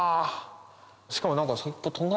しかも。